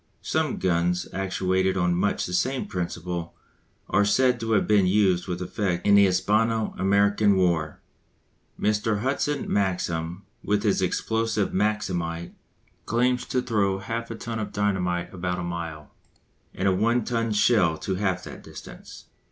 Some guns actuated on much the same principle are said to have been used with effect in the Hispano American war. Mr. Hudson Maxim with his explosive "maximite" claims to throw half a ton of dynamite about a mile, and a one ton shell to half that distance.